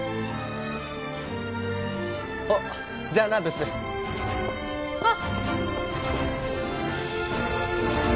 おっじゃあなブスあっ